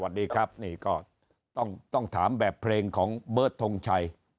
สวัสดีครับนี่ก็ต้องถามแบบเพลงของเบิร์ตทงชัย